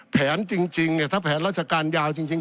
แผนจริงเนี่ยถ้าแผนราชการยาวจริง